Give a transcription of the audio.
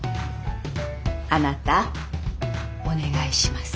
あなたお願いします。